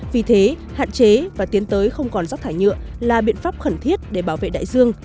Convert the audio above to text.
vì thế hạn chế và tiến tới không còn rắc thải nhựa là biện pháp khẩn thiết để bảo vệ đại dương